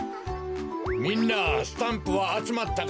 みんなスタンプはあつまったかな？